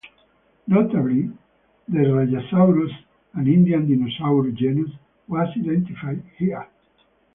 Notably, The Rajasaurus, an Indian dinosaur genus was identified here.